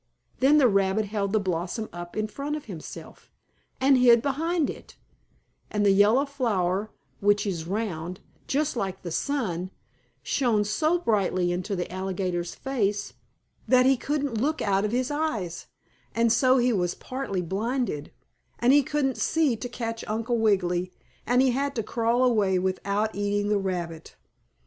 Then the rabbit held the blossom up in front of himself, and hid behind it, and the yellow flower, which is round, just like the sun, shone so brightly into the alligator's face that he couldn't look out of his eyes, and so he was partly blinded, and he couldn't see to catch Uncle Wiggily, and he had to crawl away without eating the rabbit.